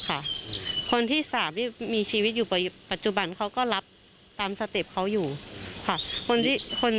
คนที่๓มีชีวิตอยู่ปัจจุบันเขาก็รับตามสเต็ปเขาอยู่ค่ะ